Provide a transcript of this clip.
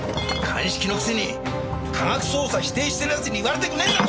鑑識のくせに科学捜査否定してるやつに言われたくねえんだ！